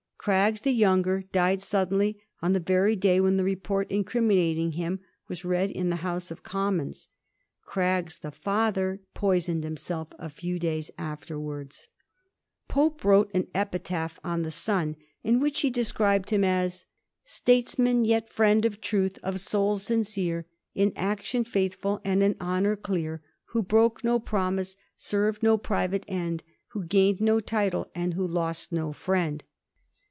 Craggs the younger died suddenly on the very day when the report incriminating him was read in the House of Commons. Craggs the father poisoned himself a few days afterwards. Pope wrote an epitaph on the son, in which he described him as — s 2 Digiti zed by Google 260 A HISTORY OF THE FOUR GEORGES. ch. xi. Statesman, yet £riend of truth ; of soul aincere, In action faithful and in honour dear ; Who broke no promise, served no private end, Who gained no title, and who lost no fnend.